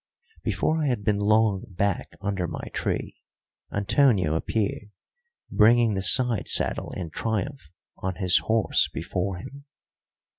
Before I had been long back under my tree, Antonio appeared, bringing the side saddle in triumph on his horse before him.